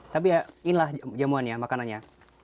tapi inilah jamuannya makanannya